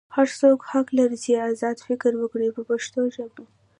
هر څوک حق لري چې ازاد فکر وکړي په پښتو ژبه.